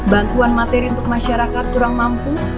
bantuan materi untuk masyarakat kurang mampu